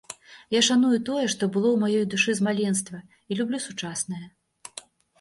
Я шаную тое, што было ў маёй душы з маленства і люблю сучаснае.